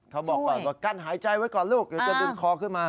เขาบอกก่อนว่ากั้นหายใจไว้ก่อนลูกเดี๋ยวจะดึงคอขึ้นมา